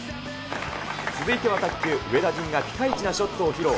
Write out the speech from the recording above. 続いては卓球、上田仁がピカイチなショットを披露。